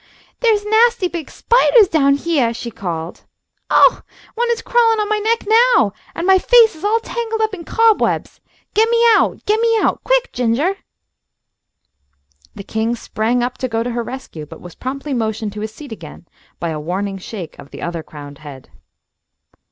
"There's nasty big spidahs down heah!" she called. "Ow! One is crawlin' on my neck now, and my face is all tangled up in cobwebs! Get me out! Get me out! Quick, Gingah!" The king sprang up to go to her rescue, but was promptly motioned to his seat again by a warning shake of the other crowned head.